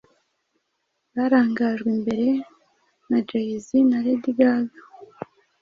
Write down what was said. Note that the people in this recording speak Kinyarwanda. barangajwe imbere na Jay Z na Lady Gaga